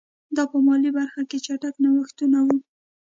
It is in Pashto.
دا په مالي برخه کې چټک نوښتونه وو.